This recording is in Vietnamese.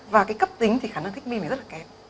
và cái cấp tính thì khả năng thích nghi mình rất là kém